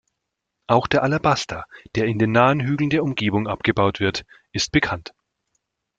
Auch der Alabaster, der in den nahen Hügeln der Umgebung abgebaut wird, ist bekannt.